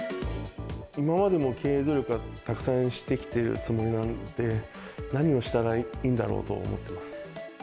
今までも経営努力はたくさんしてきているつもりなので、何をしたらいいんだろうと思ってます。